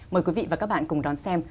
mời quý vị và các bạn cùng đón xem